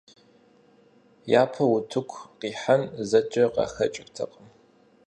Япэу утыкум къихьэн зэкӀэ къахэкӀыртэкъым.